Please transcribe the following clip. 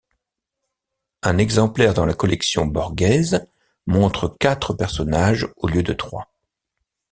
Un exemplaire dans la collection Borghèse, montre quatre personnages au lieu de trois.